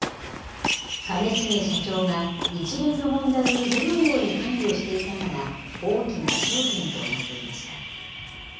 兼重社長が一連の問題にどのように関与していたかが大きな焦点となっていました。